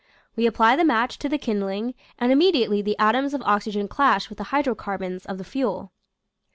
We apply the match to the kindling and immediately the atoms of oxygen clash with the hydrocarbons of the fuel.